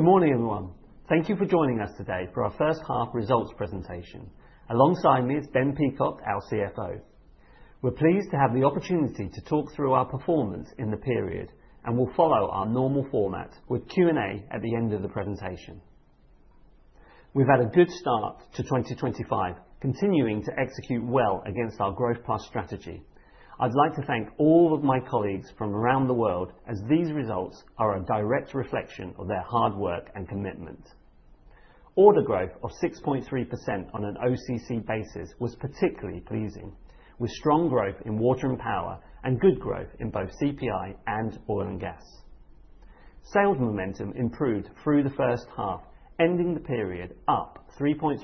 Good morning, everyone. Thank you for joining us today for our first half results presentation alongside Ben Peacock, our CFO. We're pleased to have the opportunity to talk through our performance in the period, and we'll follow our normal format with Q&A at the end of the presentation. We've had a good start to 2025, continuing to execute well against our Growth Plus strategy. I'd like to thank all of my colleagues from around the world, as these results are a direct reflection of their hard work and commitment. Order growth of 6.3% on an OCC basis was particularly pleasing, with strong growth in water and power and good growth in both CPI and oil and gas. Sales momentum improved through the first half, ending the period up 3.3%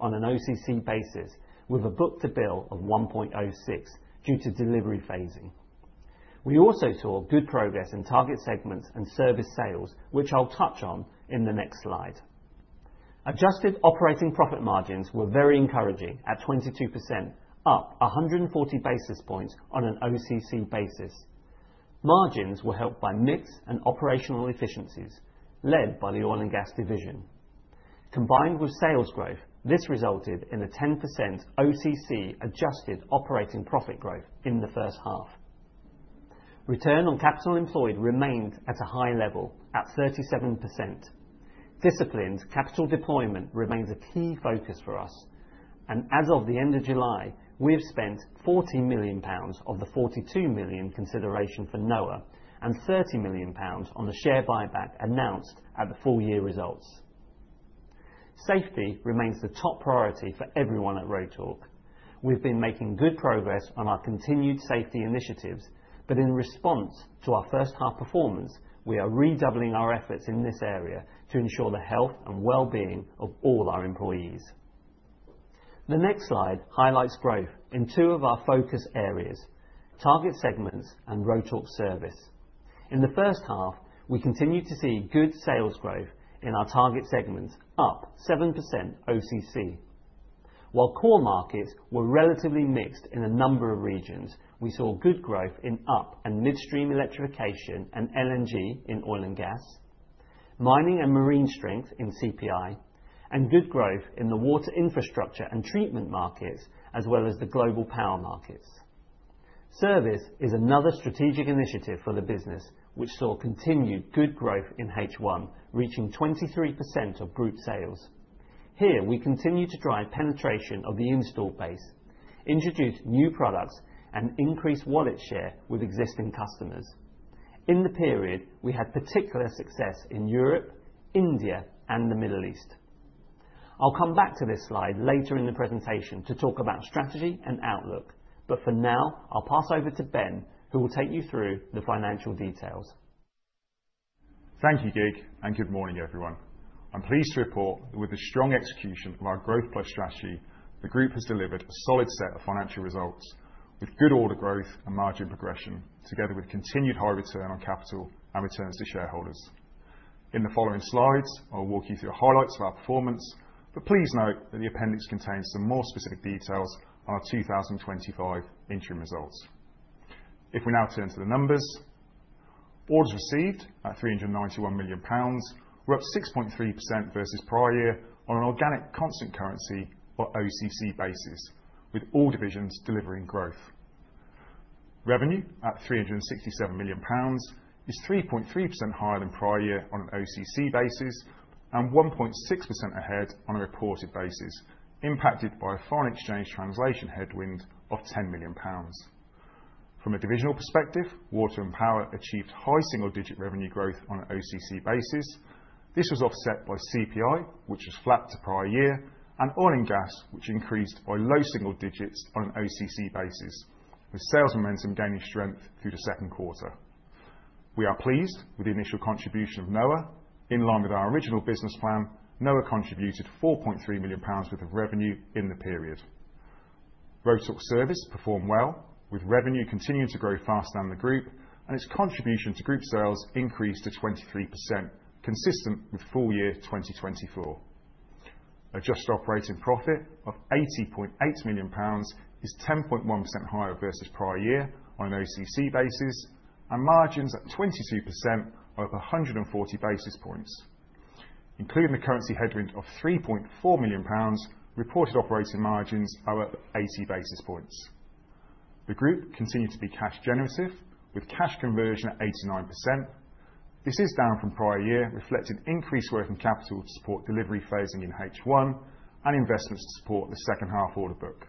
on an OCC basis, with a book-to-bill of 1.06 due to delivery phasing. We also saw good progress in target segments and service sales, which I'll touch on in the next slide. Adjusted operating profit margins were very encouraging at 22%, up 140 basis points on an OCC basis. Margins were helped by NIPS and operational efficiencies, led by the oil and gas division. Combined with sales growth, this resulted in a 10% OCC adjusted operating profit growth in the first half. Return on capital employed remained at a high level at 37%. Disciplined capital deployment remains a key focus for us, and as of the end of July, we've spent 40 million pounds of the 42 million consideration for Noah and 30 million pounds on the share buyback announced at the full-year results. Safety remains the top priority for everyone at Rotork. We've been making good progress on our continued safety initiatives, but in response to our first half performance, we are redoubling our efforts in this area to ensure the health and well-being of all our employees. The next slide highlights growth in two of our focus areas: target segments and Rotork Service. In the first half, we continued to see good sales growth in our target segments, up 7% OCC. While core markets were relatively mixed in a number of regions, we saw good growth in up and midstream electrification and LNG in oil and gas, mining and marine strength in CPI, and good growth in the water infrastructure and treatment markets, as well as the global power markets. Service is another strategic initiative for the business, which saw continued good growth in H1, reaching 23% of group sales. Here, we continued to drive penetration of the install base, introduce new products, and increase wallet share with existing customers. In the period, we had particular success in Europe, India, and the Middle East. I'll come back to this slide later in the presentation to talk about strategy and outlook, but for now, I'll pass over to Ben, who will take you through the financial details. Thank you, Kiet, and good morning, everyone. I'm pleased to report that with the strong execution of our Growth Plus strategy, the group has delivered a solid set of financial results with good order growth and margin progression, together with continued high return on capital and returns to shareholders. In the following slides, I'll walk you through highlights of our performance, but please note that the appendix contains some more specific details on our 2025 interim results. If we now turn to the numbers, orders received at 391 million pounds were up 6.3% versus prior year on an OCC basis, with all divisions delivering growth. Revenue at 367 million pounds is 3.3% higher than prior year on an OCC basis and 1.6% ahead on a reported basis, impacted by a foreign exchange translation headwind of 10 million pounds. From a divisional perspective, Water and Power achieved high single-digit revenue growth on an OCC basis. This was offset by CPI, which was flat to prior year, and Oil & Gas, which increased by low single digits on an OCC basis, with sales momentum gaining strength through the second quarter. We are pleased with the initial contribution of Noah. In line with our original business plan, Noah contributed 4.3 million pounds worth of revenue in the period. Rotork Service performed well, with revenue continuing to grow faster than the group, and its contribution to group sales increased to 23%, consistent with full-year 2024. Adjusted operating profit of 80.8 million pounds is 10.1% higher versus prior year on an OCC basis, and margins at 22% are up 140 basis points. Including the currency headwind of 3.4 million pounds, reported operating margins are up 80 basis points. The group continued to be cash generative, with cash conversion at 89%. This is down from prior year, reflecting increased work from capital to support delivery phasing in H1 and investments to support the second half order book.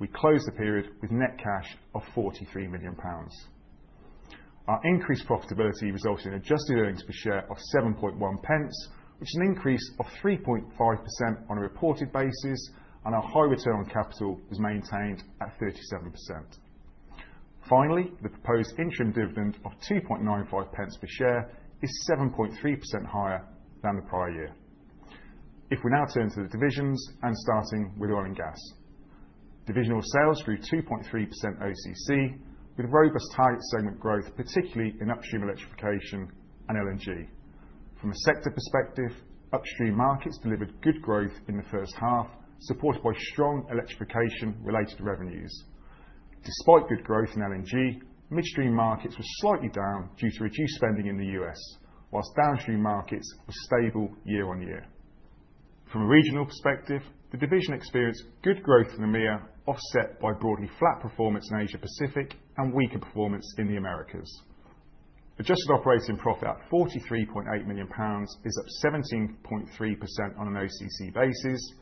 We closed the period with net cash of 43 million pounds. Our increased profitability resulted in adjusted earnings per share of 7.1 pence, which is an increase of 3.5% on a reported basis, and our high return on capital is maintained at 37%. Finally, the proposed interim dividend of 2.95 pence per share is 7.3% higher than the prior year. If we now turn to the divisions, and starting with Oil & Gas, divisional sales grew 2.3% OCC, with robust target segment growth, particularly in upstream electrification and LNG. From a sector perspective, upstream markets delivered good growth in the first half, supported by strong electrification related to revenues. Despite good growth in LNG, midstream markets were slightly down due to reduced spending in the U.S., whilst downstream markets were stable year on year. From a regional perspective, the division experienced good growth in EMEA, offset by broadly flat performance in Asia-Pacific and weaker performance in the Americas. Adjusted operating profit at 43.8 million pounds is up 17.3% on an OCC basis.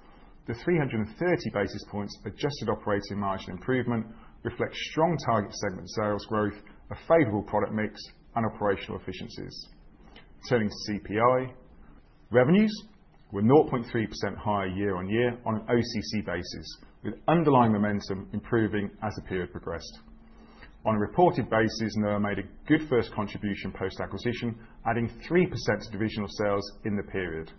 The 330 basis points adjusted operating margin improvement reflects strong target segment sales growth, a favorable product mix, and operational efficiencies. Turning to CPI, revenues were 0.3% higher year on year on an OCC basis, with underlying momentum improving as the period progressed. On a reported basis, Noah made a good first contribution post-acquisition, adding 3% to divisional sales in the period.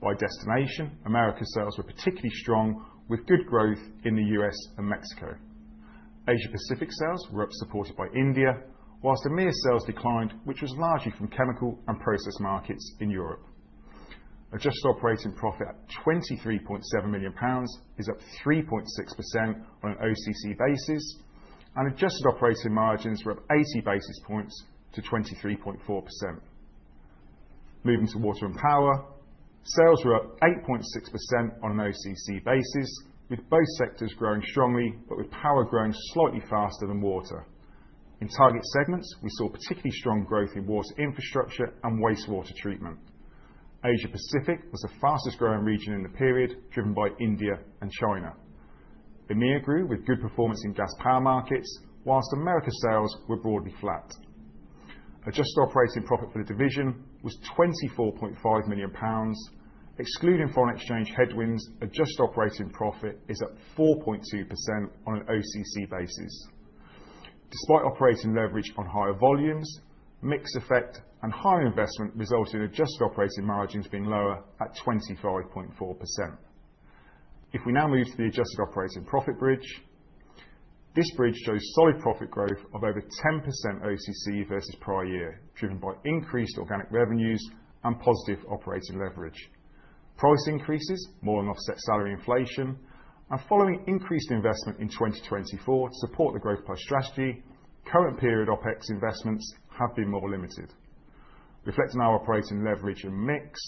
By destination, Americas sales were particularly strong, with good growth in the U.S. and Mexico. Asia-Pacific sales were up, supported by India, whilst EMEA sales declined, which was largely from chemical and process markets in Europe. Adjusted operating profit at 23.7 million pounds is up 3.6% on an OCC basis, and adjusted operating margins were up 80 basis points to 23.4%. Moving to Water and Power, sales were up 8.6% on an OCC basis, with both sectors growing strongly, but with Power growing slightly faster than Water. In target segments, we saw particularly strong growth in water infrastructure and wastewater treatment. Asia-Pacific was the fastest growing region in the period, driven by India and China. EMEA grew with good performance in gas power markets, whilst Americas sales were broadly flat. Adjusted operating profit for the division was 24.5 million pounds. Excluding foreign exchange headwinds, adjusted operating profit is up 4.2% on an OCC basis. Despite operating leverage on higher volumes, mixed effect, and higher investment resulted in adjusted operating margins being lower at 25.4%. If we now move to the adjusted operating profit bridge, this bridge shows solid profit growth of over 10% OCC versus prior year, driven by increased organic revenues and positive operating leverage. Price increases more than offset salary inflation, and following increased investment in 2024 to support the Growth Plus strategy, current period OpEx investments have been more limited. Reflecting our operating leverage and mix,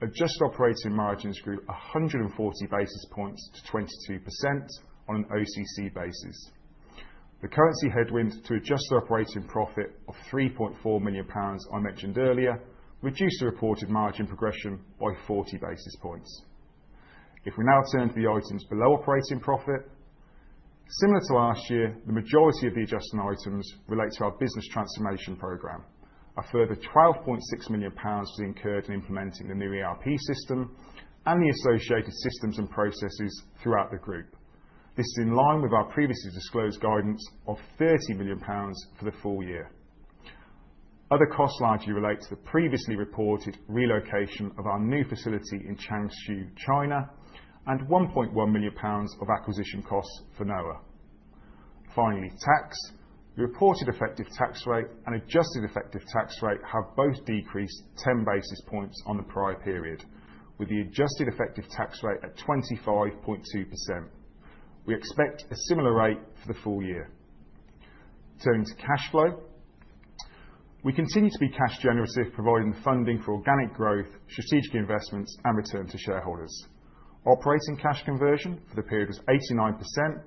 adjusted operating margins grew 140 basis points to 22% on an OCC basis. The currency headwind to adjusted operating profit of 3.4 million pounds I mentioned earlier reduced the reported margin progression by 40 basis points. If we now turn to the items below operating profit, similar to last year, the majority of the adjustment items relate to our business transformation program. A further 12.6 million pounds was incurred in implementing the new ERP system and the associated systems and processes throughout the group. This is in line with our previously disclosed guidance of 30 million pounds for the full year. Other costs largely relate to the previously reported relocation of our new facility in Changshu, China, and 1.1 million pounds of acquisition costs for Noah. Finally, tax, the reported effective tax rate and adjusted effective tax rate have both decreased 10 basis points on the prior period, with the adjusted effective tax rate at 25.2%. We expect a similar rate for the full year. Turning to cash flow, we continue to be cash generative, providing the funding for organic growth, strategic investments, and return to shareholders. Operating cash conversion for the period was 89%,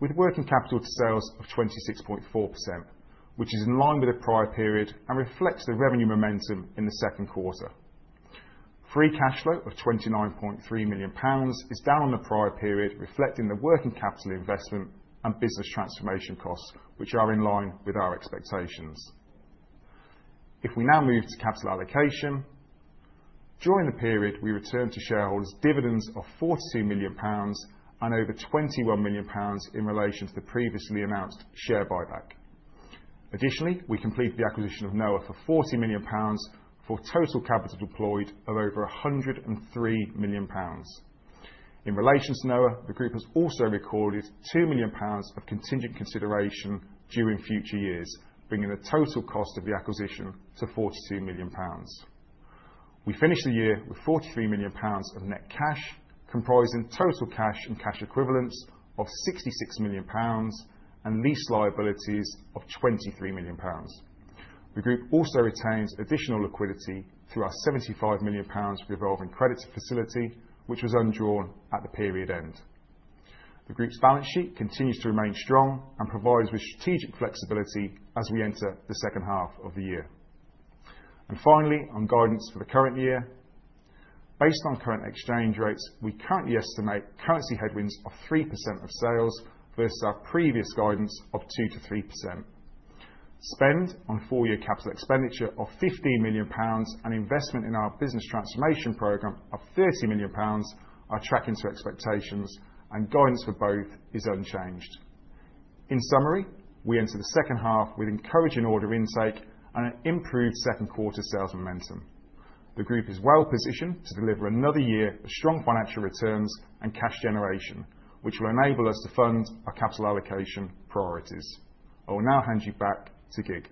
with working capital to sales of 26.4%, which is in line with the prior period and reflects the revenue momentum in the second quarter. Free cash flow of 29.3 million pounds is down on the prior period, reflecting the working capital investment and business transformation costs, which are in line with our expectations. If we now move to capital allocation, during the period, we returned to shareholders' dividends of 42 million pounds and over 21 million pounds in relation to the previously announced share buyback. Additionally, we completed the acquisition of Noah for GBP 40 million for a total capital deployed of over GBP 103 million. In relation to Noah, the group has also recorded GBP 2 million of contingent consideration during future years, bringing the total cost of the acquisition to 42 million pounds. We finished the year with 43 million pounds of net cash, comprising total cash and cash equivalents of 66 million pounds and lease liabilities of 23 million pounds. The group also retains additional liquidity through our 75 million pounds revolving credit facility, which was undrawn at the period end. The group's balance sheet continues to remain strong and provides with strategic flexibility as we enter the second half of the year. Finally, on guidance for the current year, based on current exchange rates, we currently estimate currency headwinds of 3% of sales versus our previous guidance of 2%-3%. Spend on full-year capital expenditure of 15 million pounds and investment in our business transformation program of 30 million pounds are tracking to expectations, and guidance for both is unchanged. In summary, we enter the second half with encouraging order intake and an improved second quarter sales momentum. The group is well-positioned to deliver another year of strong financial returns and cash generation, which will enable us to fund our capital allocation priorities. I will now hand you back to Kiet.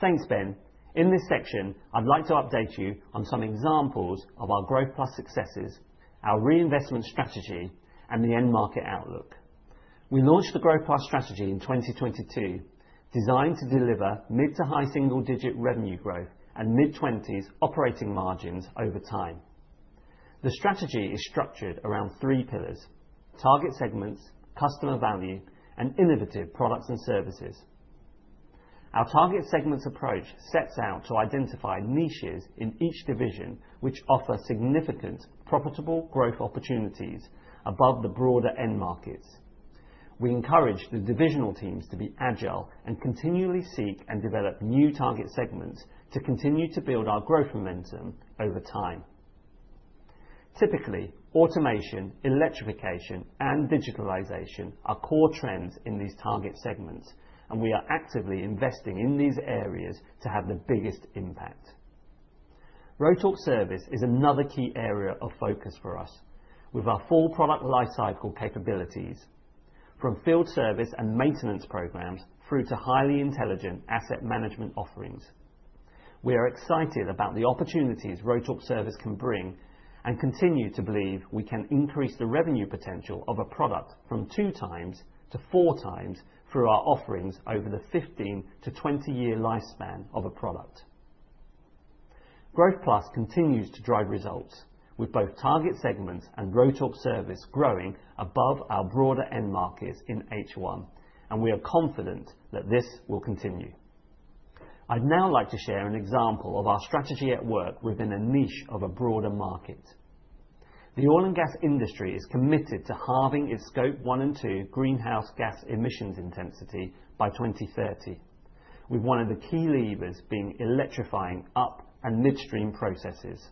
Thanks, Ben. In this section, I'd like to update you on some examples of our Growth Plus successes, our reinvestment strategy, and the end market outlook. We launched the Growth Plus strategy in 2022, designed to deliver mid to high single-digit revenue growth and mid-20s operating margins over time. The strategy is structured around three pillars: target segments, customer value, and innovative products and services. Our target segments approach sets out to identify niches in each division which offer significant profitable growth opportunities above the broader end markets. We encourage the divisional teams to be agile and continually seek and develop new target segments to continue to build our growth momentum over time. Typically, automation, electrification, and digitalization are core trends in these target segments, and we are actively investing in these areas to have the biggest impact. Rotork Service is another key area of focus for us, with our full product lifecycle capabilities, from field service and maintenance programs through to highly intelligent asset management offerings. We are excited about the opportunities Rotork Service can bring and continue to believe we can increase the revenue potential of a product from two times to four times through our offerings over the 15-20 year lifespan of a product. Growth Plus continues to drive results, with both target segments and Rotork Service growing above our broader end markets in H1, and we are confident that this will continue. I'd now like to share an example of our strategy at work within a niche of a broader market. The oil and gas industry is committed to halving its scope one and two greenhouse gas emissions intensity by 2030, with one of the key levers being electrifying up and midstream processes.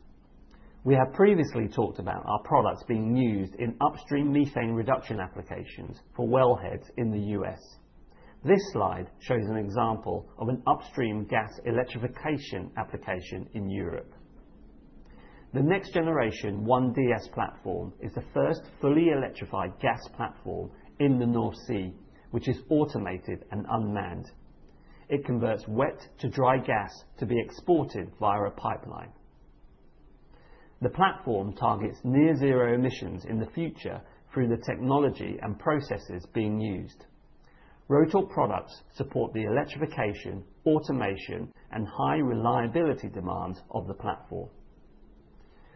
We have previously talked about our products being used in upstream methane reduction applications for wellheads in the U.S. This slide shows an example of an upstream gas electrification application in Europe. The Next Generation 1DS platform is the first fully electrified gas platform in the North Sea, which is automated and unmanned. It converts wet to dry gas to be exported via a pipeline. The platform targets near-zero emissions in the future through the technology and processes being used. Rotork products support the electrification, automation, and high reliability demands of the platform.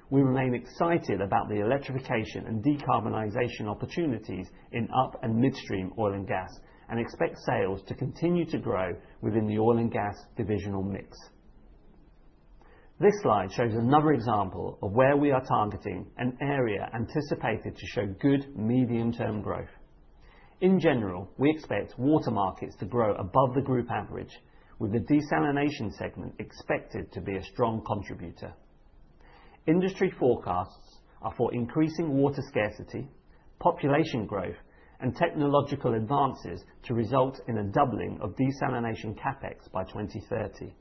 We remain excited about the electrification and decarbonization opportunities in up and midstream oil and gas and expect sales to continue to grow within the Oil & Gas divisional mix. This slide shows another example of where we are targeting an area anticipated to show good medium-term growth. In general, we expect water markets to grow above the group average, with the desalination segment expected to be a strong contributor. Industry forecasts are for increasing water scarcity, population growth, and technological advances to result in a doubling of desalination CapEx by 2030.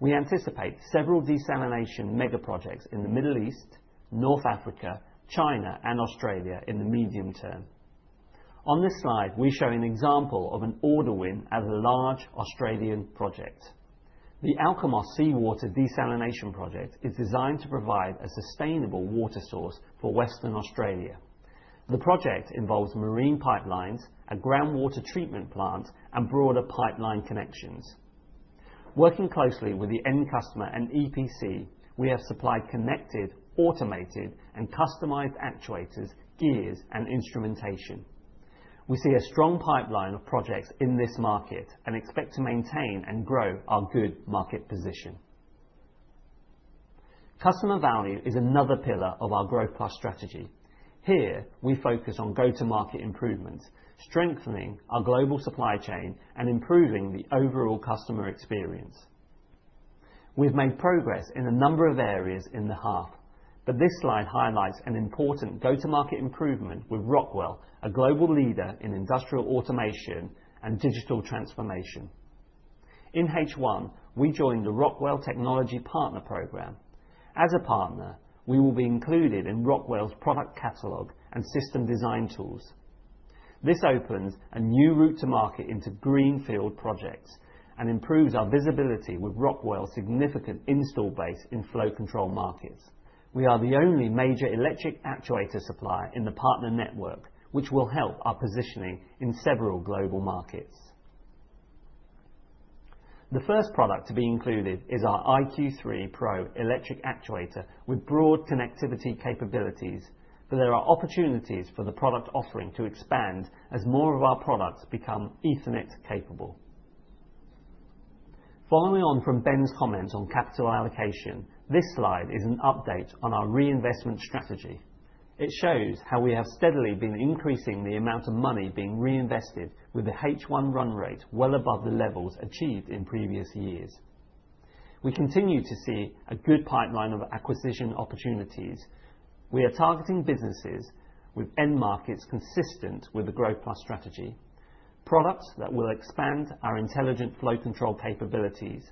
We anticipate several desalination mega projects in the Middle East, North Africa, China, and Australia in the medium term. On this slide, we show an example of an order win at a large Australian project. The Alkimos Seawater desalination project is designed to provide a sustainable water source for Western Australia. The project involves marine pipelines, a groundwater treatment plant, and broader pipeline connections. Working closely with the end customer and EPC, we have supplied connected, automated, and customized actuators, gears, and instrumentation. We see a strong pipeline of projects in this market and expect to maintain and grow our good market position. Customer value is another pillar of our Growth Plus strategy. Here, we focus on go-to-market improvements, strengthening our global supply chain, and improving the overall customer experience. We've made progress in a number of areas in the half, but this slide highlights an important go-to-market improvement with Rockwell, a global leader in industrial automation and digital transformation. In H1, we joined the Rockwell Technology Partner Program. As a partner, we will be included in Rockwell's product catalog and system design tools. This opens a new route to market into greenfield projects and improves our visibility with Rockwell's significant install base in flow control markets. We are the only major electric actuator supplier in the partner network, which will help our positioning in several global markets. The first product to be included is our IQ3 Pro electric actuator with broad connectivity capabilities, for there are opportunities for the product offering to expand as more of our products become Ethernet capable. Following on from Ben's comments on capital allocation, this slide is an update on our reinvestment strategy. It shows how we have steadily been increasing the amount of money being reinvested, with the H1 run rate well above the levels achieved in previous years. We continue to see a good pipeline of acquisition opportunities. We are targeting businesses with end markets consistent with the Growth Plus strategy, products that will expand our intelligent flow control capabilities,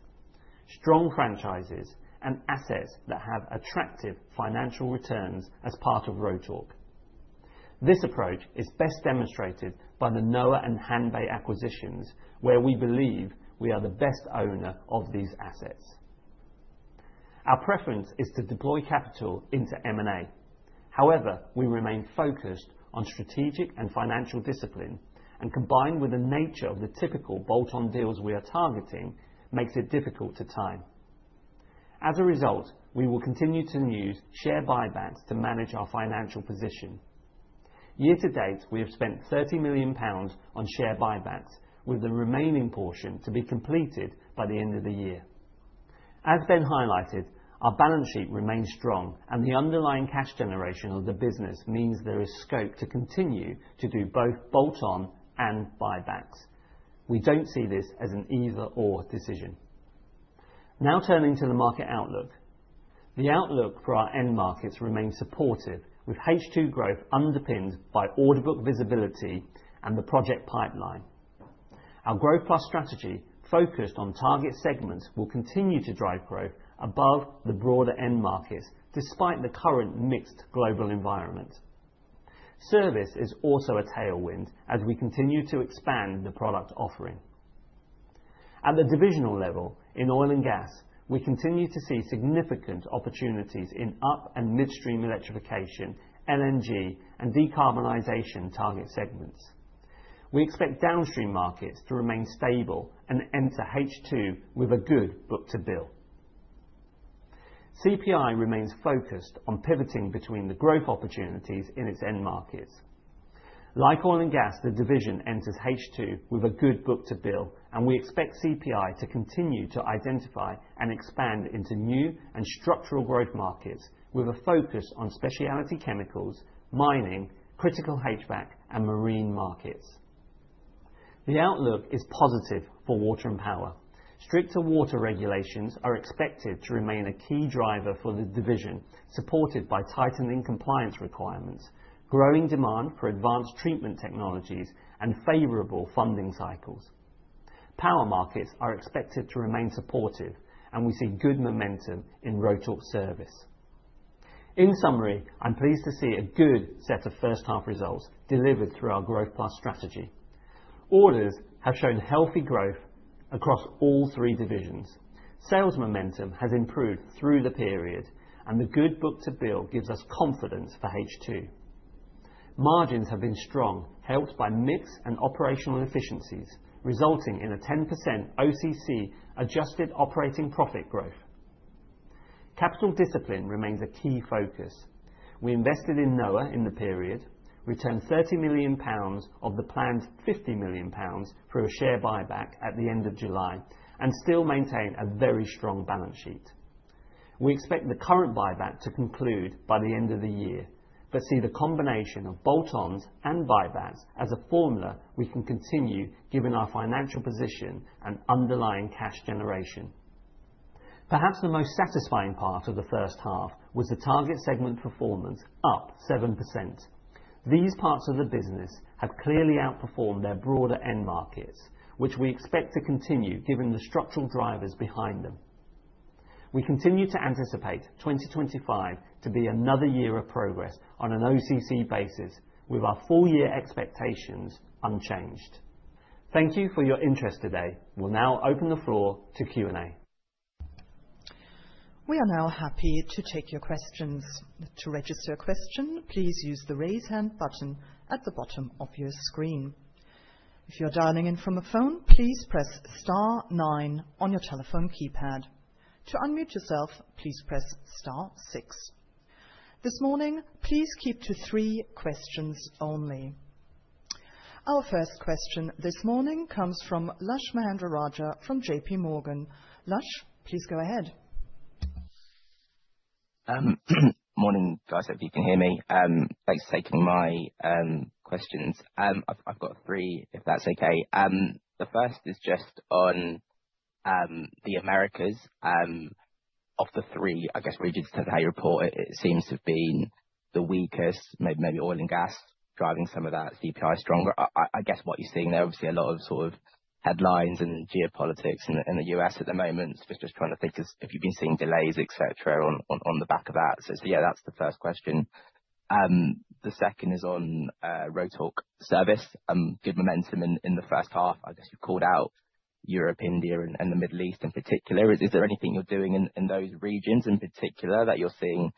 strong franchises, and assets that have attractive financial returns as part of Rotork. This approach is best demonstrated by the Noah and Hanbay acquisitions, where we believe we are the best owner of these assets. Our preference is to deploy capital into M&A. However, we remain focused on strategic and financial discipline, and combined with the nature of the typical bolt-on deals we are targeting, it makes it difficult to time. As a result, we will continue to use share buybacks to manage our financial position. Year to date, we have spent 30 million pounds on share buybacks, with the remaining portion to be completed by the end of the year. As Ben highlighted, our balance sheet remains strong, and the underlying cash generation of the business means there is scope to continue to do both bolt-on and buybacks. We don't see this as an either/or decision. Now turning to the market outlook, the outlook for our end markets remains supportive, with H2 growth underpinned by order book visibility and the project pipeline. Our Growth Plus strategy, focused on target segments, will continue to drive growth above the broader end markets, despite the current mixed global environment. Service is also a tailwind as we continue to expand the product offering. At the divisional level, in Oil & Gas, we continue to see significant opportunities in up and midstream electrification, LNG, and decarbonization target segments. We expect downstream markets to remain stable and enter H2 with a good book-to-bill. CPI remains focused on pivoting between the growth opportunities in its end markets. Like Oil & Gas, the division enters H2 with a good book-to-bill, and we expect CPI to continue to identify and expand into new and structural growth markets, with a focus on specialty chemicals, mining, critical HVAC, and marine markets. The outlook is positive for Water and Power. Stricter water regulations are expected to remain a key driver for the division, supported by tightening compliance requirements, growing demand for advanced treatment technologies, and favorable funding cycles. Power markets are expected to remain supportive, and we see good momentum in Rotork Service. In summary, I'm pleased to see a good set of first-half results delivered through our Growth Plus strategy. Orders have shown healthy growth across all three divisions. Sales momentum has improved through the period, and the good book-to-bill gives us confidence for H2. Margins have been strong, helped by MIPS and operational efficiencies, resulting in a 10% OCC adjusted operating profit growth. Capital discipline remains a key focus. We invested in Noah in the period, returned £30 million of the planned 50 million pounds through a share buyback at the end of July, and still maintain a very strong balance sheet. We expect the current buyback to conclude by the end of the year, foresee the combination of bolt-ons and buybacks as a formula we can continue, given our financial position and underlying cash generation. Perhaps the most satisfying part of the first half was the target segment performance up 7%. These parts of the business have clearly outperformed their broader end markets, which we expect to continue, given the structural drivers behind them. We continue to anticipate 2025 to be another year of progress on an OCC basis, with our full-year expectations unchanged. Thank you for your interest today. We'll now open the floor to Q&A. We are now happy to take your questions. To register a question, please use the raise hand button at the bottom of your screen. If you're dialing in from a phone, please press star nine on your telephone keypad. To unmute yourself, please press star six. This morning, please keep to three questions only. Our first question this morning comes from Lush Mahendraraja from JPMorgan. Lush, please go ahead. Morning, guys, if you can hear me. Thanks for taking my questions. I've got three, if that's okay. The first is just on the Americas. Of the three, I guess, regions that you report, it seems to have been the weakest, maybe Oil and Gas driving some of that CPI stronger. I guess what you're seeing there, obviously, a lot of sort of headlines and geopolitics in the U.S. at the moment. Just trying to think if you've been seeing delays, etc., on the back of that. That's the first question. The second is on Rotork Service. Good momentum in the first half. I guess you've called out Europe, India, and the Middle East in particular. Is there anything you're doing in those regions in particular that you're seeing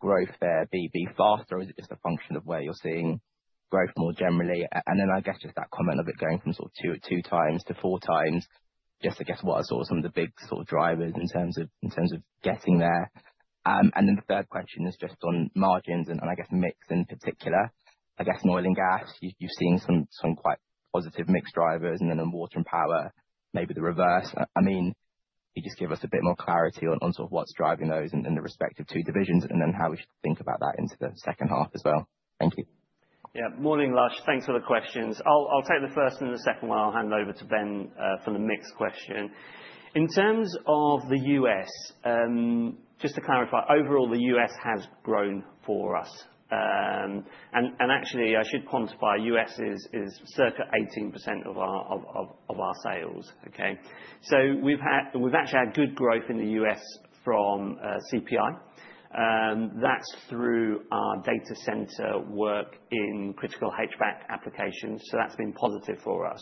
growth there be faster, or is it just a function of where you're seeing growth more generally? Just that comment of it going from sort of two times to four times, what are some of the big drivers in terms of getting there? The third question is just on margins and mix in particular. I guess in Oil and Gas, you've seen some quite positive mix drivers, and then in water and power, maybe the reverse. Can you give us a bit more clarity on what's driving those in the respective two divisions, and how we should think about that into the second half as well? Thank you. Yeah, morning, Lush. Thanks for the questions. I'll take the first and the second one. I'll hand over to Ben for the mixed question. In terms of the U.S., just to clarify, overall, the U.S. has grown for us. Actually, I should quantify U.S. is circa 18% of our sales. We've actually had good growth in the U.S. from CPI. That's through our data center work in critical HVAC applications. That's been positive for us.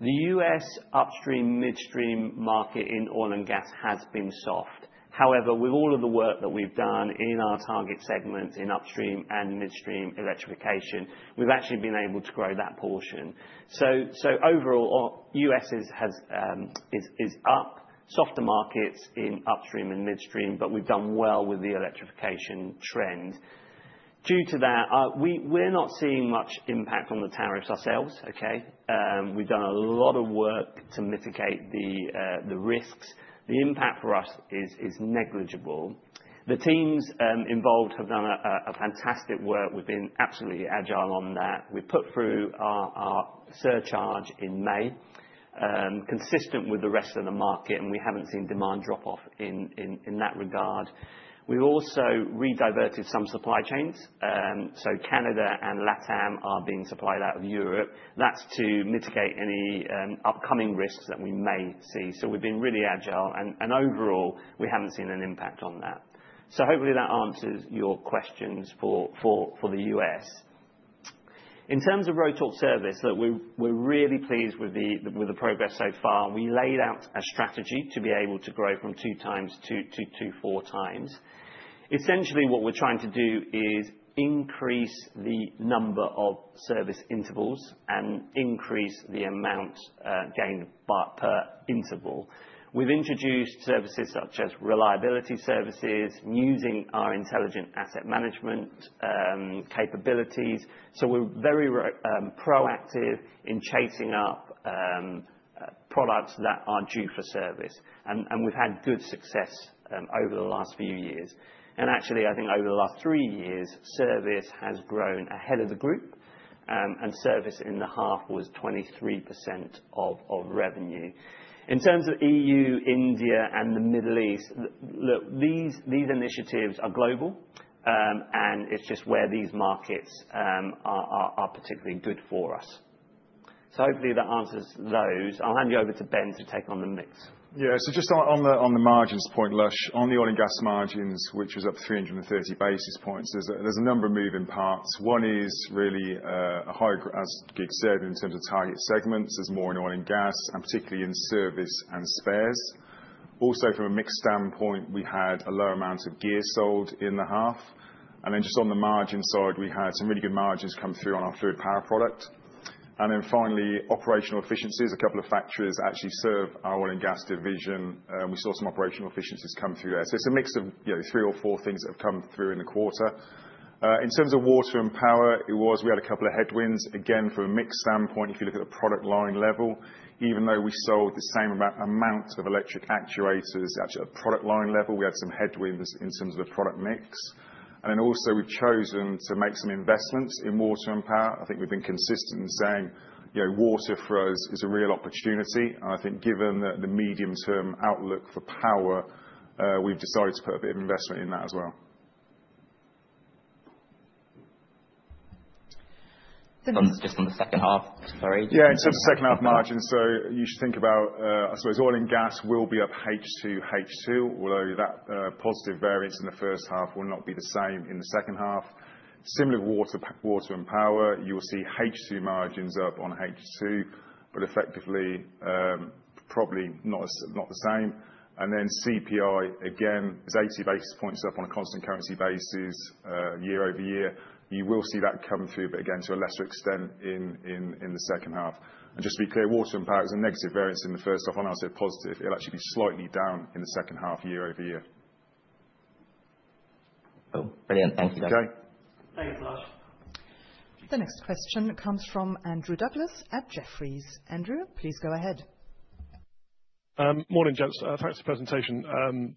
The U.S. upstream midstream market in Oil and Gas has been soft. However, with all of the work that we've done in our target segments in upstream and midstream electrification, we've actually been able to grow that portion. Overall, U.S. is up, softer markets in upstream and midstream, but we've done well with the electrification trend. Due to that, we're not seeing much impact on the tariffs ourselves. We've done a lot of work to mitigate the risks. The impact for us is negligible. The teams involved have done fantastic work. We've been absolutely agile on that. We've put through our surcharge in May, consistent with the rest of the market, and we haven't seen demand drop off in that regard. We've also re-diverted some supply chains. Canada and LATAM are being supplied out of Europe. That's to mitigate any upcoming risks that we may see. We've been really agile, and overall, we haven't seen an impact on that. Hopefully, that answers your questions for the U.S. In terms of Rotork Service, we're really pleased with the progress so far. We laid out a strategy to be able to grow from two times to four times. Essentially, what we're trying to do is increase the number of service intervals and increase the amount gained per interval. We've introduced services such as reliability services, using our intelligent asset management capabilities. We're very proactive in chasing up products that are due for service. We've had good success over the last few years. Actually, I think over the last three years, service has grown ahead of the group, and service in the half was 23% of revenue. In terms of EU, India, and the Middle East, these initiatives are global, and it's just where these markets are particularly good for us. Hopefully, that answers those. I'll hand you over to Ben to take on the mix. Yeah, just on the margins point, Lush, on the Oil & Gas margins, which is up 330 basis points, there's a number of moving parts. One is really a higher, as Kiet said, in terms of target segments. There's more in Oil & Gas, and particularly in service and spares. Also, from a mix standpoint, we had a lower amount of gear sold in the half. Just on the margin side, we had some really good margins come through on our fluid power product. Finally, operational efficiencies, a couple of factories actually serve our Oil & Gas division. We saw some operational efficiencies come through there. It's a mix of three or four things that have come through in the quarter. In terms of Water and Power, we had a couple of headwinds. Again, from a mix standpoint, if you look at a product line level, even though we sold the same amounts of electric actuators, actually at a product line level, we had some headwinds in terms of the product mix. Also, we've chosen to make some investments in Water and Power. I think we've been consistent in saying Water for us is a real opportunity. I think given the medium-term outlook for Power, we've decided to put a bit of investment in that as well. Just on the second half, sorry. In terms of second half margins, you should think about, I suppose, Oil & Gas will be up H2 on H2, although that positive variance in the first half will not be the same in the second half. Similar to Water and Power, you will see H2 margins up on H2, but effectively, probably not the same. CPI, again, is 80 basis points up on a constant currency basis year-over-year. You will see that come through, but again, to a lesser extent in the second half. Just to be clear, Water and Power is a negative variance in the first half, and as a positive, it'll actually be slightly down in the second half year over year. Oh, brilliant. Thank you, Ben. Okay. Thanks, Lush. The next question comes from Andrew Douglas at Jefferies. Andrew, please go ahead. Morning, guys. Thanks for the presentation.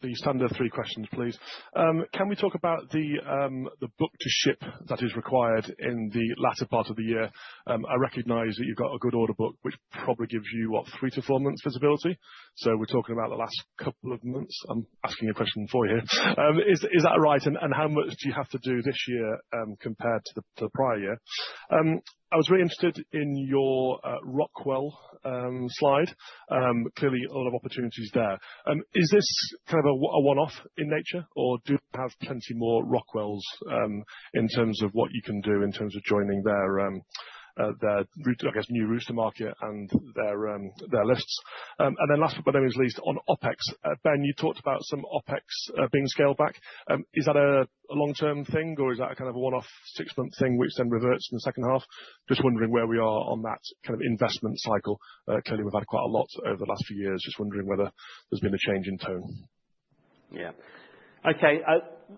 The standard three questions, please. Can we talk about the book-to-bill that is required in the latter part of the year? I recognize that you've got a good order book, which probably gives you, what, three to four months visibility? We're talking about the last couple of months. I'm asking a question for you here. Is that right? How much do you have to do this year compared to the prior year? I was really interested in your Rockwell slide. Clearly, a lot of opportunities there. Is this kind of a one-off in nature, or do you have plenty more Rockwell's in terms of what you can do in terms of joining their, I guess, new roster market and their lists? Last but not least, on OpEx, Ben, you talked about some OpEx being scaled back. Is that a long-term thing, or is that a kind of a one-off six-month thing, which then reverts in the second half? Just wondering where we are on that kind of investment cycle. Clearly, we've had quite a lot over the last few years. Just wondering whether there's been a change in tone. Yeah. Okay.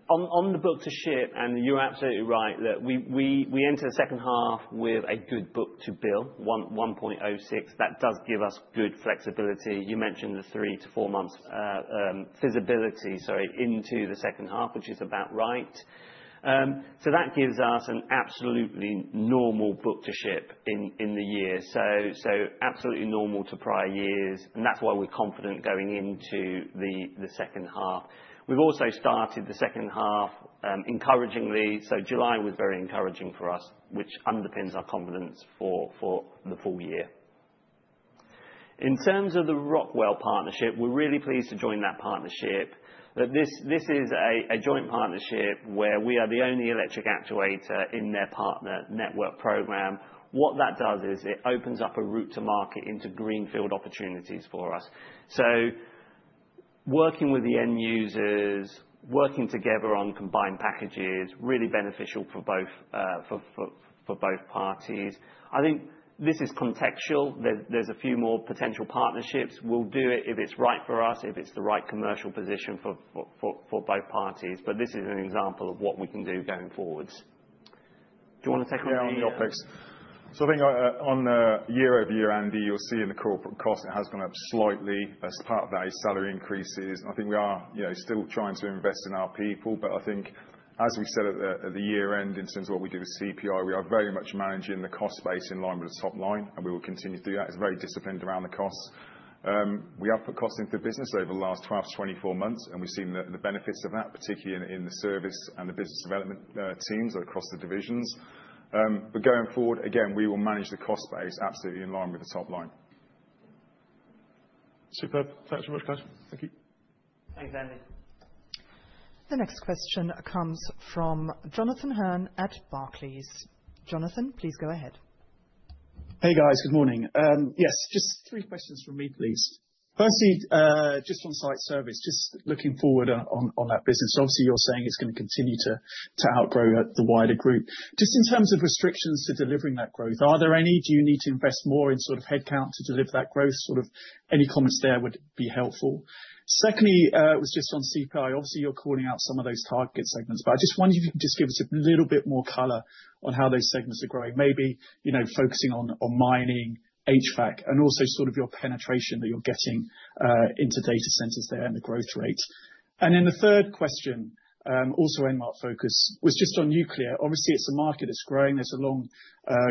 On the book to ship, and you're absolutely right that we enter the second half with a good book to bill, 1.06. That does give us good flexibility. You mentioned the three to four months visibility into the second half, which is about right. That gives us an absolutely normal book to ship in the year, absolutely normal to prior years. That's why we're confident going into the second half. We've also started the second half encouragingly. July was very encouraging for us, which underpins our confidence for the full year. In terms of the Rockwell partnership, we're really pleased to join that partnership. This is a joint partnership where we are the only electric actuator in their partner network program. What that does is it opens up a route to market into greenfield opportunities for us. Working with the end users, working together on combined packages, really beneficial for both parties. I think this is contextual. There's a few more potential partnerships. We'll do it if it's right for us, if it's the right commercial position for both parties. This is an example of what we can do going forwards. Do you want to take on the OpEx? Yeah. I think on the year-over-year end, you'll see in the corporate cost, it has gone up slightly as part of those salary increases. I think we are still trying to invest in our people, but I think as we said at the year-end, in terms of what we do with CPI, we are very much managing the cost base in line with the top line, and we will continue to do that. It's very disciplined around the costs. We have put costs into business over the last 12-24 months, and we've seen the benefits of that, particularly in the service and the business development teams across the divisions. Going forward, again, we will manage the cost base absolutely in line with the top line. Super. Thanks so much, Ben. Thank you. Thanks, Andy. The next question comes from Jonathan Hurn at Barclays. Jonathan, please go ahead. Hey, guys. Good morning. Yes, just three questions from me, please. Firstly, just on site service, just looking forward on that business. Obviously, you're saying it's going to continue to outgrow the wider group. In terms of restrictions to delivering that growth, are there any? Do you need to invest more in sort of headcount to deliver that growth? Any comments there would be helpful. Secondly, it was just on CPI. Obviously, you're calling out some of those target segments, but I just wonder if you can give us a little bit more color on how those segments are growing, maybe focusing on mining, HVAC, and also your penetration that you're getting into data centers there and the growth rate. The third question, also end-mark focus, was just on nuclear. Obviously, it's a market that's growing. There's a long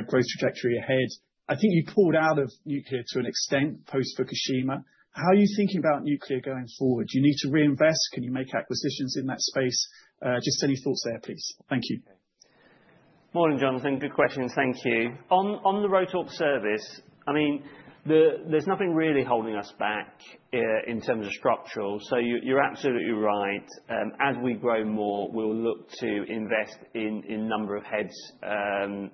growth trajectory ahead. I think you pulled out of nuclear to an extent post-Fukushima. How are you thinking about nuclear going forward? Do you need to reinvest? Can you make acquisitions in that space? Any thoughts there, please? Thank you. Morning, Jonathan. Good question. Thank you. On the Rotork Service, there's nothing really holding us back in terms of structural. You're absolutely right. As we grow more, we'll look to invest in a number of heads and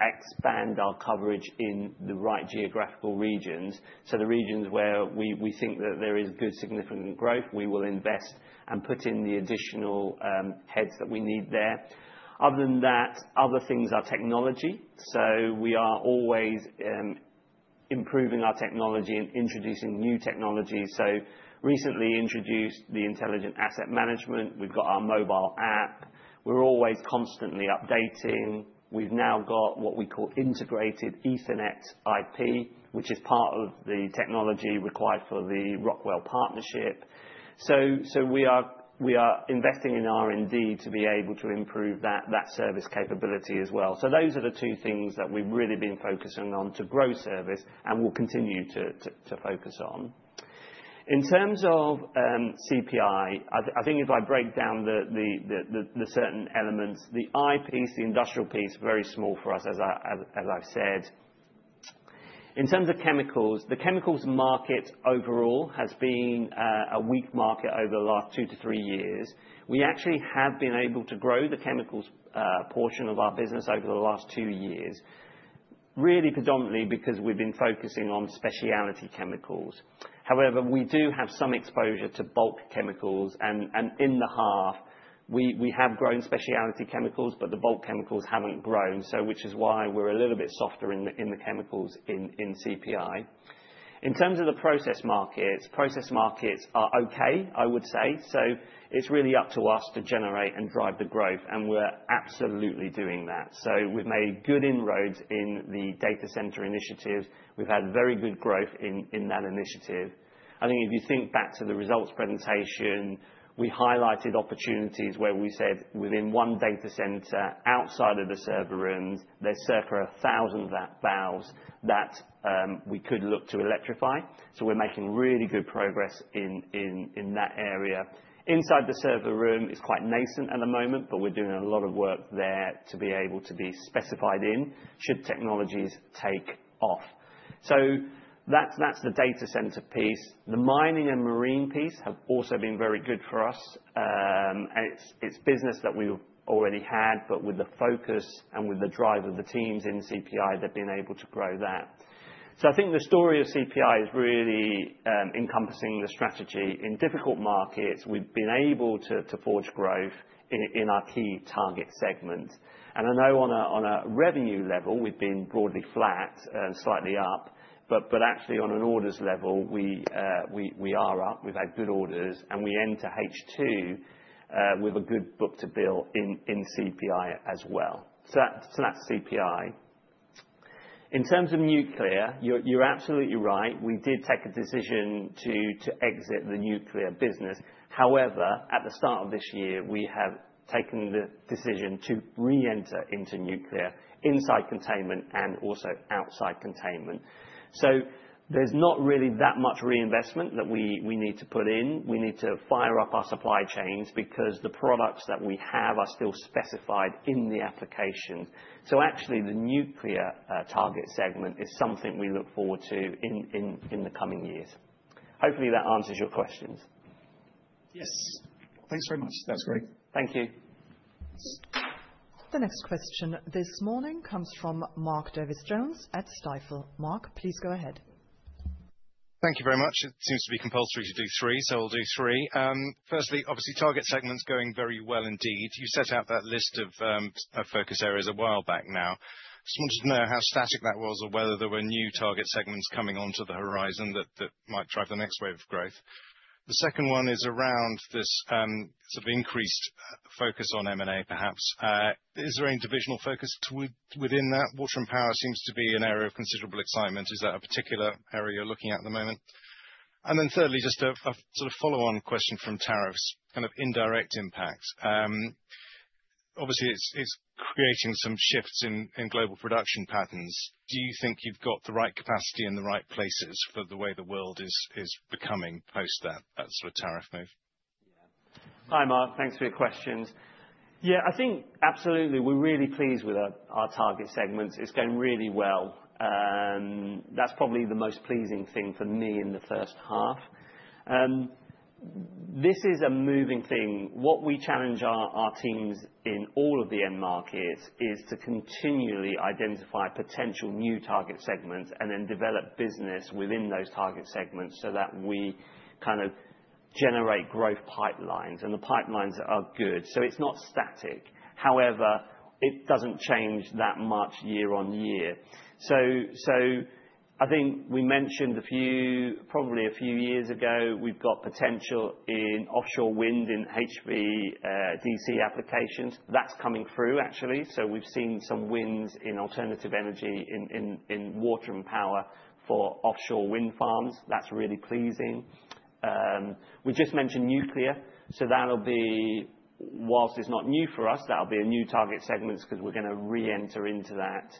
expand our coverage in the right geographical regions. The regions where we think that there is good significant growth, we will invest and put in the additional heads that we need there. Other than that, other things are technology. We are always improving our technology and introducing new technologies. Recently introduced the intelligent asset management. We've got our mobile app. We're always constantly updating. We've now got what we call integrated Ethernet IP, which is part of the technology required for the Rockwell partnership. We are investing in R&D to be able to improve that service capability as well. Those are the two things that we've really been focusing on to grow service and will continue to focus on. In terms of CPI, if I break down the certain elements, the IP, the industrial piece, is very small for us, as I've said. In terms of chemicals, the chemicals market overall has been a weak market over the last two to three years. We actually have been able to grow the chemicals portion of our business over the last two years, really predominantly because we've been focusing on specialty chemicals. However, we do have some exposure to bulk chemicals, and in the half, we have grown specialty chemicals, but the bulk chemicals haven't grown, which is why we're a little bit softer in the chemicals in CPI. In terms of the process markets, process markets are okay, I would say. It's really up to us to generate and drive the growth, and we're absolutely doing that. We've made good inroads in the data center initiatives. We've had very good growth in that initiative. If you think back to the results presentation, we highlighted opportunities where we said within one data center outside of the server rooms, there's circa 1,000 valves that we could look to electrify. We're making really good progress in that area. Inside the server room, it's quite nascent at the moment, but we're doing a lot of work there to be able to be specified in should technologies take off. That's the data center piece. The mining and marine piece have also been very good for us. It's business that we've already had, but with the focus and with the drive of the teams in CPI, they've been able to grow that. I think the story of CPI is really encompassing the strategy. In difficult markets, we've been able to forge growth in our key target segments. I know on a revenue level, we've been broadly flat and slightly up, but actually on an orders level, we are up. We've had good orders, and we enter H2 with a good book-to-bill in CPI as well. That's CPI. In terms of nuclear, you're absolutely right. We did take a decision to exit the nuclear business. However, at the start of this year, we have taken the decision to re-enter into nuclear inside containment and also outside containment. There's not really that much reinvestment that we need to put in. We need to fire up our supply chains because the products that we have are still specified in the application. Actually, the nuclear target segment is something we look forward to in the coming years. Hopefully, that answers your questions. Yes, thanks very much. That's great. Thank you. The next question this morning comes from Mark Davies-Jones at Stifel. Mark, please go ahead. Thank you very much. It seems to be compulsory to do three, so I'll do three. Firstly, obviously, target segments going very well indeed. You set out that list of focus areas a while back now. I just wanted to know how static that was or whether there were new target segments coming onto the horizon that might drive the next wave of growth. The second one is around this sort of increased focus on M&A, perhaps. Is there any divisional focus within that? Water and power seems to be an area of considerable excitement. Is that a particular area you're looking at at the moment? Thirdly, just a sort of follow-on question from tariffs, kind of indirect impacts. Obviously, it's creating some shifts in global production patterns. Do you think you've got the right capacity in the right places for the way the world is becoming post that sort of tariff move? Hi, Mark. Thanks for your questions. Yeah, I think absolutely, we're really pleased with our target segments. It's going really well. That's probably the most pleasing thing for me in the first half. This is a moving thing. What we challenge our teams in all of the end markets is to continually identify potential new target segments and then develop business within those target segments so that we kind of generate growth pipelines, and the pipelines are good. It's not static. However, it doesn't change that much year on year. I think we mentioned a few, probably a few years ago, we've got potential in offshore wind in HVDC applications. That's coming through, actually. We've seen some wins in alternative energy in water and power for offshore wind farms. That's really pleasing. We just mentioned nuclear. That'll be, whilst it's not new for us, that'll be a new target segment because we're going to re-enter into that.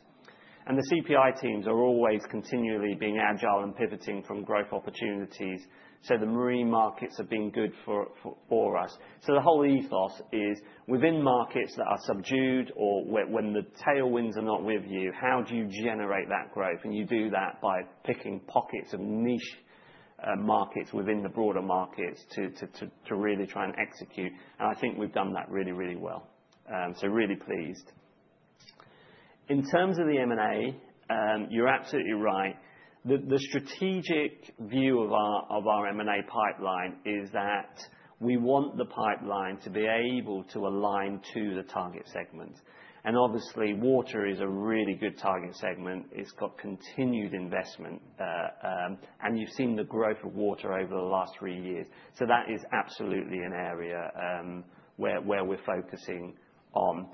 The CPI teams are always continually being agile and pivoting from growth opportunities. The marine markets have been good for us. The whole ethos is within markets that are subdued or when the tailwinds are not with you, how do you generate that growth? You do that by picking pockets of niche markets within the broader markets to really try and execute. I think we've done that really, really well. Really pleased. In terms of the M&A, you're absolutely right. The strategic view of our M&A pipeline is that we want the pipeline to be able to align to the target segments. Obviously, water is a really good target segment. It's got continued investment, and you've seen the growth of water over the last three years. That is absolutely an area where we're focusing on.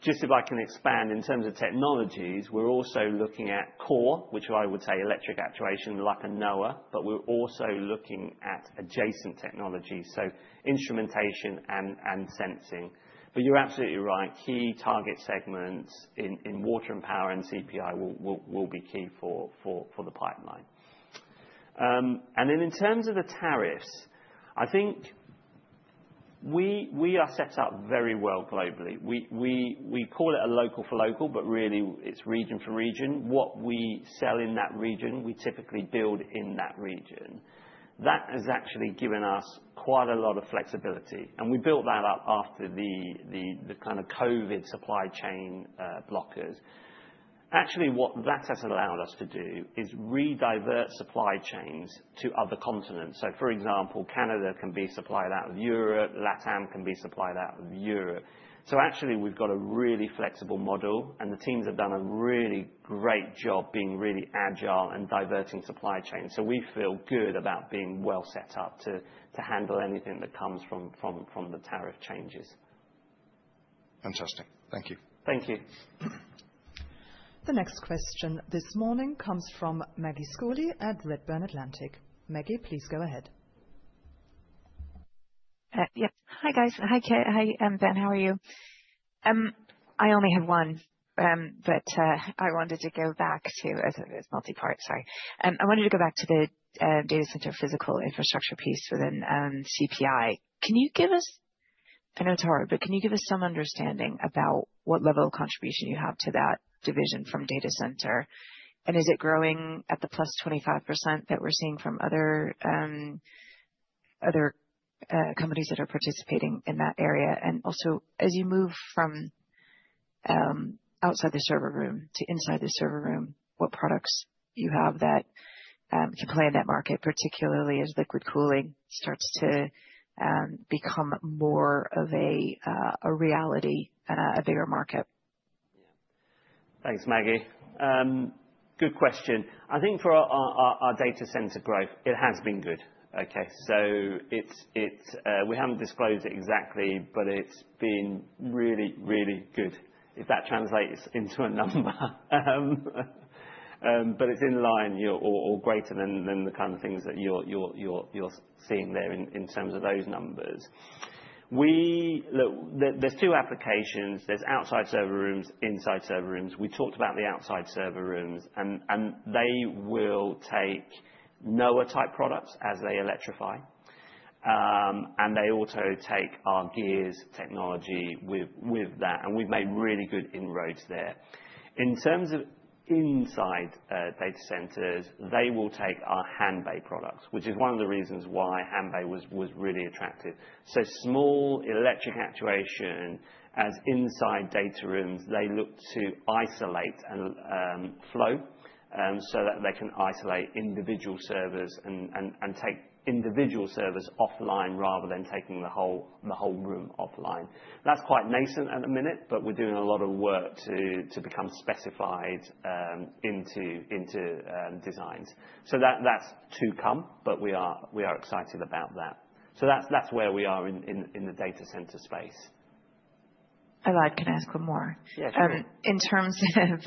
Just if I can expand, in terms of technologies, we're also looking at core, which I would say electric actuation like a Noah, but we're also looking at adjacent technologies, so instrumentation and sensing. You're absolutely right. Key target segments in water and power and CPI will be key for the pipeline. In terms of the tariffs, I think we are set up very well globally. We call it a local for local, but really, it's region for region. What we sell in that region, we typically build in that region. That has actually given us quite a lot of flexibility. We built that up after the kind of COVID supply chain blockers. Actually, what that has allowed us to do is re-divert supply chains to other continents. For example, Canada can be supplied out of Europe. LATAM can be supplied out of Europe. We've got a really flexible model, and the teams have done a really great job being really agile and diverting supply chains. We feel good about being well set up to handle anything that comes from the tariff changes. Fantastic. Thank you. Thank you. The next question this morning comes from Maggie Schooley at Redburn Atlantic. Maggie, please go ahead. Hi, guys. Hi, Kiet. Hi, Ben. How are you? I only have one, but I wanted to go back to, as it was multi-part. Sorry. I wanted to go back to the data center physical infrastructure piece within CPI. Can you give us, I know it's hard, but can you give us some understanding about what level of contribution you have to that division from data center? Is it growing at the +25% that we're seeing from other companies that are participating in that area? Also, as you move from outside the server room to inside the server room, what products you have that can play in that market, particularly as liquid cooling starts to become more of a reality, a bigger market? Yeah. Thanks, Maggie. Good question. I think for our data center growth, it has been good. We haven't disclosed it exactly, but it's been really, really good. If that translates into a number, it's in line or greater than the kind of things that you're seeing there in terms of those numbers. There are two applications: outside server rooms and inside server rooms. We talked about the outside server rooms, and they will take Noah-type products as they electrify. They also take our gears technology with that. We've made really good inroads there. In terms of inside data centers, they will take our Hanbay products, which is one of the reasons why Hanbay was really attractive. Small electric actuation as inside data rooms, they look to isolate and flow so that they can isolate individual servers and take individual servers offline rather than taking the whole room offline. That's quite nascent at the minute, but we're doing a lot of work to become specified into designs. That's to come, but we are excited about that. That's where we are in the data center space. If I can ask one more. Yes, please. In terms of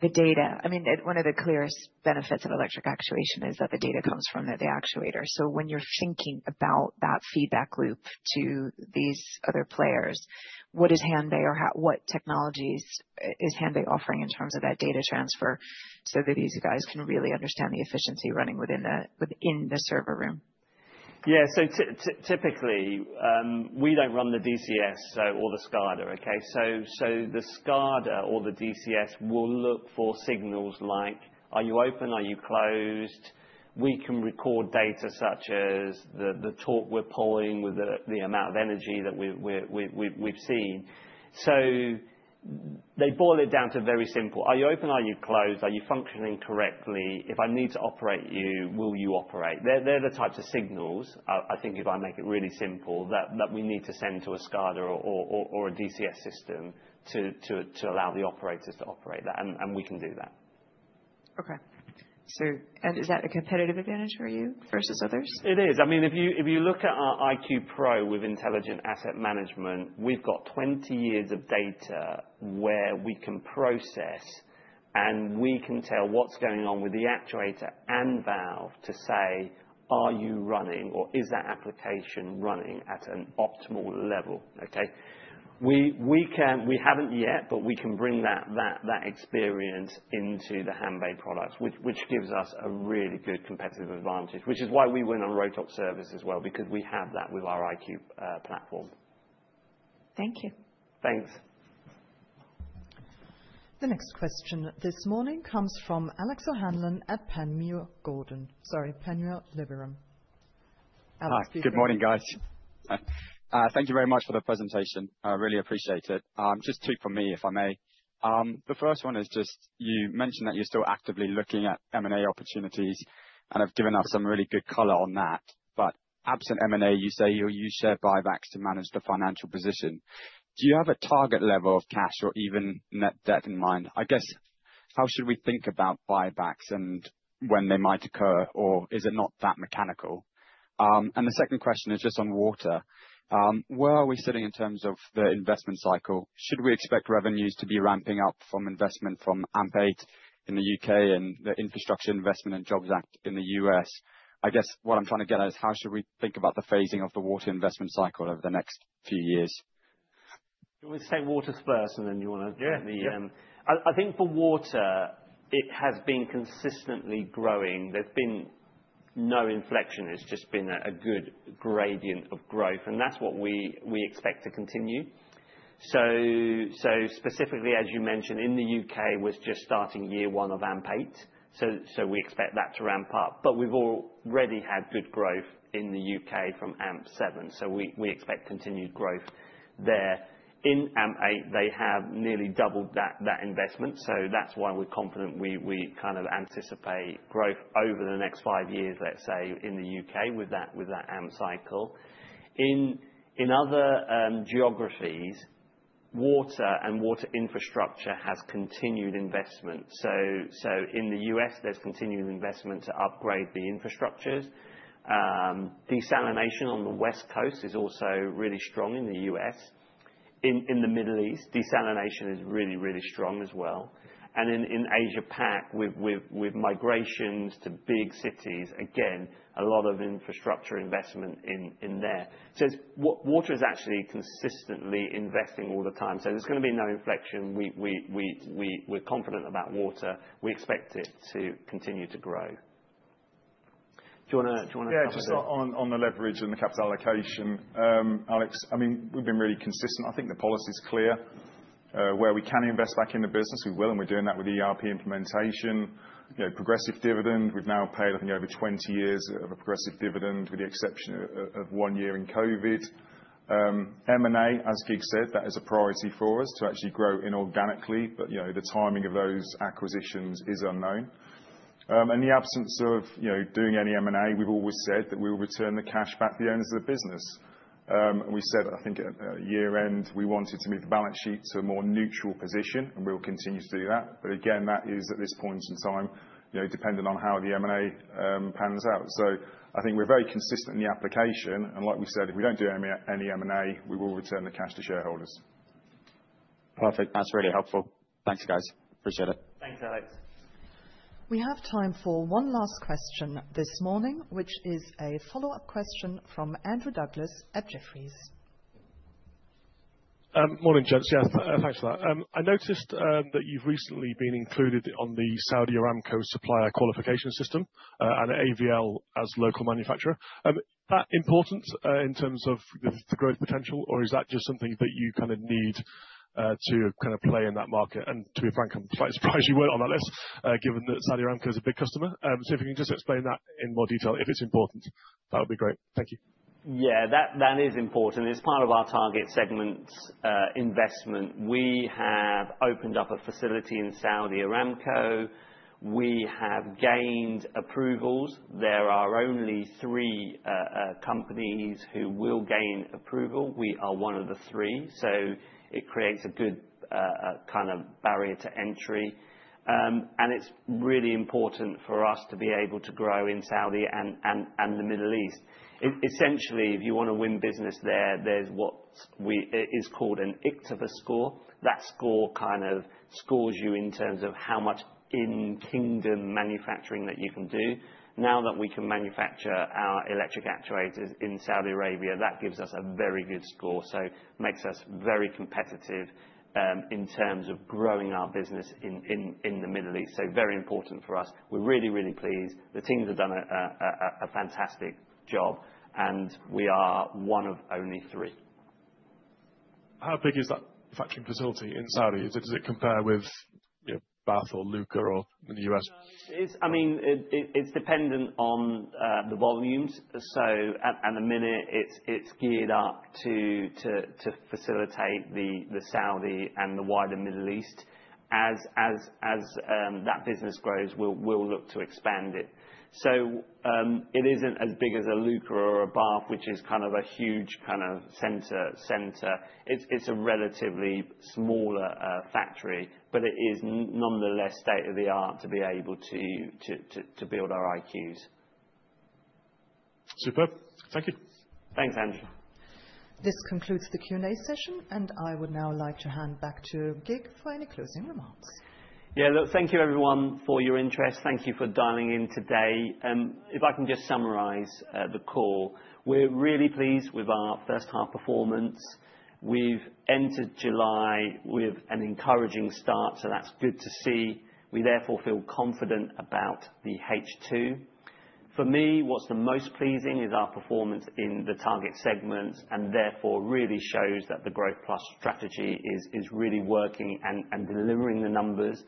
the data, one of the clearest benefits of electric actuation is that the data comes from the actuator. When you're thinking about that feedback loop to these other players, what is Hanbay or what technologies is Hanbay offering in terms of that data transfer so that these guys can really understand the efficiency running within the server room? Yeah. Typically, we don't run the DCS or the SCADA. The SCADA or the DCS will look for signals like, are you open, are you closed? We can record data such as the torque we're pulling with the amount of energy that we've seen. They boil it down to very simple: are you open, are you closed, are you functioning correctly, if I need to operate you, will you operate? They're the types of signals, I think, if I make it really simple, that we need to send to a SCADA or a DCS system to allow the operators to operate that, and we can do that. Is that a competitive advantage for you versus others? It is. I mean, if you look at our IQ3 Pro with intelligent asset management, we've got 20 years of data where we can process and we can tell what's going on with the actuator and valve to say, are you running or is that application running at an optimal level? We haven't yet, but we can bring that experience into the Hanbay products, which gives us a really good competitive advantage, which is why we win on Rotork Service as well, because we have that with our IQ platform. Thank you. Thanks. The next question this morning comes from Alex O'Hanlon at Panmure Liberum. Alex, please go ahead. Good morning, guys. Thank you very much for the presentation. I really appreciate it. Just two from me, if I may. The first one is just you mentioned that you're still actively looking at M&A opportunities and have given us some really good color on that. Absent M&A, you say you'll use share buybacks to manage the financial position. Do you have a target level of cash or even net debt in mind? I guess how should we think about buybacks and when they might occur, or is it not that mechanical? The second question is just on water. Where are we sitting in terms of the investment cycle? Should we expect revenues to be ramping up from investment from AMP7 in the U.K. and the Infrastructure Investment and Jobs Act in the U.S.? I guess what I'm trying to get at is how should we think about the phasing of the water investment cycle over the next few years? You always say water first, and then you want to... Yeah. I think for Water, it has been consistently growing. There's been no inflection. It's just been a good gradient of growth, and that's what we expect to continue. Specifically, as you mentioned, in the U.K.., we're just starting year one of AMP8. We expect that to ramp up. We've already had good growth in the U.K. from AMP7. We expect continued growth there. In AMP8, they have nearly doubled that investment. That's why we're confident we kind of anticipate growth over the next five years, let's say, in the U.K. with that AMP cycle. In other geographies, Water and water infrastructure has continued investment. In the U.S., there's continued investment to upgrade the infrastructures. Desalination on the West Coast is also really strong in the U.S. In the Middle East, desalination is really, really strong as well. In Asia-Pacific, with migrations to big cities, again, a lot of infrastructure investment in there. Water is actually consistently investing all the time. There's going to be no inflection. We're confident about Water. We expect it to continue to grow. Do you want to... Yeah, just on the leverage and the capital allocation, Alex, I mean, we've been really consistent. I think the policy is clear. Where we can invest back in the business, we will, and we're doing that with ERP implementation. Progressive dividend, we've now paid, I think, over 20 years of a progressive dividend with the exception of one year in COVID. M&A, as Kiet said, that is a priority for us to actually grow inorganically, but the timing of those acquisitions is unknown. In the absence of doing any M&A, we've always said that we will return the cash back to the owners of the business. We said, I think, at year end, we wanted to move the balance sheet to a more neutral position, and we'll continue to do that. That is at this point in time, dependent on how the M&A pans out. I think we're very consistent in the application. Like we said, if we don't do any M&A, we will return the cash to shareholders. Perfect. That's really helpful. Thanks, guys. Appreciate it. Thanks, Alex. We have time for one last question this morning, which is a follow-up question from Andrew Douglas at Jefferies. Morning. Thanks for that. I noticed that you've recently been included on the Saudi Aramco supplier qualification system and AVL as a local manufacturer. Is that important in terms of the growth potential, or is that just something that you need to play in that market? To be frank, I'm quite surprised you weren't on that list, given that Saudi Aramco is a big customer. If you can just explain that in more detail, if it's important, that would be great. Thank you. Yeah, that is important. It's part of our target segments investment. We have opened up a facility in Saudi Aramco. We have gained approvals. There are only three companies who will gain approval. We are one of the three. It creates a good kind of barrier to entry. It's really important for us to be able to grow in Saudi and the Middle East. Essentially, if you want to win business there, there's what is called an IKTVA score. That score kind of scores you in terms of how much in-kingdom manufacturing that you can do. Now that we can manufacture our electric actuators in Saudi Arabia, that gives us a very good score. It makes us very competitive in terms of growing our business in the Middle East. Very important for us. We're really, really pleased. The teams have done a fantastic job, and we are one of only three. How big is that factory facility in Saudi? Does it compare with Bath or Alucor or in the U.S.? It's dependent on the volumes. At the minute, it's geared up to facilitate the Saudi and the wider Middle East. As that business grows, we'll look to expand it. It isn't as big as a Alucor or a Bath, which is kind of a huge center. It's a relatively smaller factory, but it is nonetheless state-of-the-art to be able to build our IQs. Super. Thank you. Thanks, Andrew. This concludes the Q&A session, and I would now like to hand back to Kiet for any closing remarks. Thank you, everyone, for your interest. Thank you for dialing in today. If I can just summarize the call, we're really pleased with our first-half performance. We've entered July with an encouraging start, so that's good to see. We therefore feel confident about the H2. For me, what's the most pleasing is our performance in the target segments, and therefore really shows that the Growth Plus strategy is really working and delivering the numbers.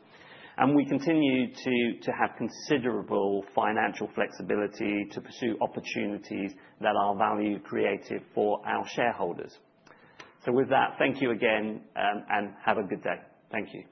We continue to have considerable financial flexibility to pursue opportunities that are value-creative for our shareholders. With that, thank you again and have a good day. Thank you.